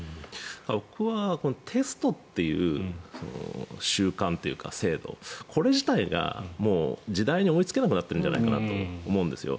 僕はテストという習慣というか制度これ自体が時代に追いつけなくなってるんじゃないかなと思うんですよ。